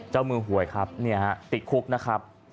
เจ้ามือหวยครับติดคุกนะครับ